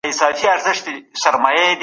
په حل لارو تمرکز کول وخت سپموي.